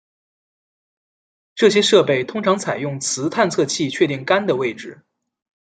这些设备通常采用磁探测器确定杆的位置。